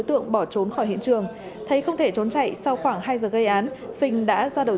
tượng bỏ trốn khỏi hiện trường thấy không thể trốn chạy sau khoảng hai giờ gây án phình đã ra đầu